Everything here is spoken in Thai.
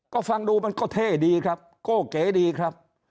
ก็ฟังดูมันก็เท่ดีครับโก้เก๋ดีครับ